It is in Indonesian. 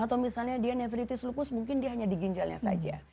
atau misalnya dia nefritis lupus mungkin dia hanya di ginjalnya saja